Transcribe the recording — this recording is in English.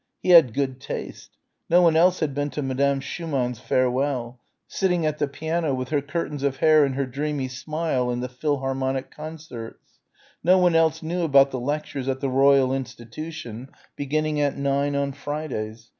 He had good taste. No one else had been to Madame Schumann's Farewell ... sitting at the piano with her curtains of hair and her dreamy smile ... and the Philharmonic Concerts. No one else knew about the lectures at the Royal Institution, beginning at nine on Fridays....